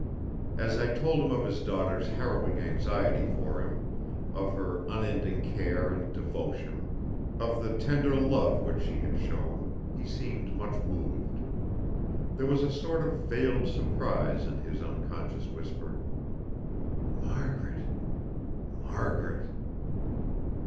As I told him of his daughter's harrowing anxiety for him, of her unending care and devotion, of the tender love which she had shown, he seemed much moved. There was a sort of veiled surprise in his unconscious whisper: "Margaret! Margaret!"